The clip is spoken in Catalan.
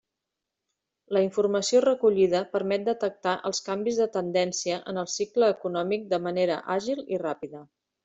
La informació recollida permet detectar els canvis de tendència en el cicle econòmic de manera àgil i ràpida.